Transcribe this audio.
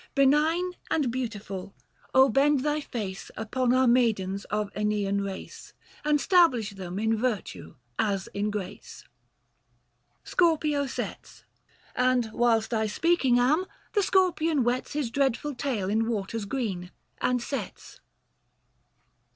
175 Benign and beautiful, bend thy face, Upon our maidens of iEneian race, And stablish them in virtue as in grace. SCORPIO SETS. And whilst I speaking am, the Scorpion wets His dreadful tail in waters green, and sets. 180 IV. NON. APE.